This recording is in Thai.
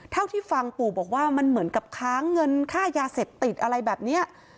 เท่าที่ฟังปู่บอกว่ามันเหมือนกับค้างเงินค่ายาเสพติดอะไรแบบนี้